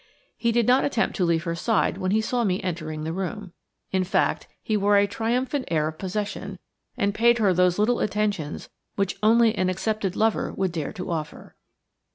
He did not attempt to leave her side when he saw me entering the room. In fact, he wore a triumphant air of possession, and paid her those little attentions which only an accepted lover would dare to offer.